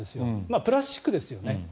プラスチックですよね。